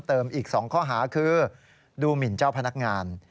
อีก๒ข้อหาคือดูหมินเจ้าพนักงาน